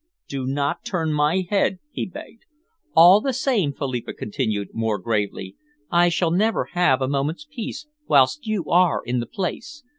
"Do not turn my head," he begged. "All the same," Philippa continued, more gravely, "I shall never have a moment's peace whilst you are in the place.